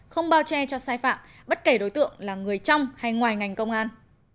không bao che cho sai phạm bất kể đối tượng là người trong hay ngoài ngành công an